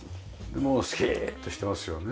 もうスキーッとしてますよね。